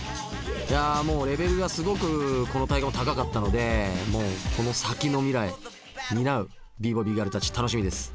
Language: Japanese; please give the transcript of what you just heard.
いやもうレベルがすごくこの大会も高かったのでこの先の未来を担うＢＢＯＹＢＧＩＲＬたち楽しみです。